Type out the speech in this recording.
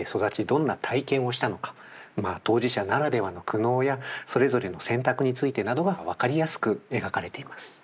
どんな体験をしたのか当事者ならではの苦悩やそれぞれの選択についてなどが分かりやすく描かれています。